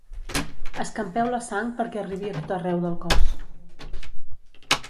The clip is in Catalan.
Escampeu la sang perquè arribi a tot arreu del cos.